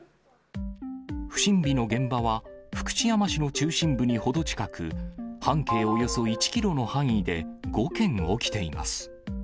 不審火の現場は、福知山市の中心部に程近く、半径およそ１キロの範囲で５件起きています。